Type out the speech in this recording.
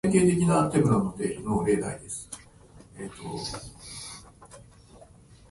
同じ日本国内なのに、場所によって方言が全然違うのは面白いなあ。